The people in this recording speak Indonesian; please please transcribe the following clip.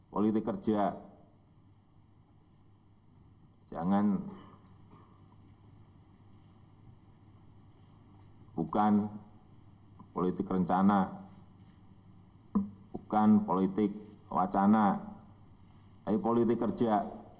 politik kerja jangan bukan politik rencana bukan politik wacana tapi politik kerja